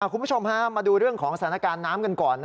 คุณผู้ชมมาดูเรื่องของสถานการณ์น้ำกันก่อน